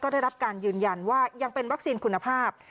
ได้รับการยืนยันว่ายังเป็นวัคซีนคุณภาพ